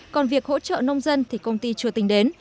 còn việc hỗ trợ nông dân thì công ty chưa tính đến